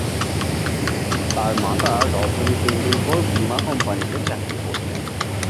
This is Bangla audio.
তার মাতা রজনী তেন্ডুলকর বীমা কোম্পানিতে কাজ করতেন।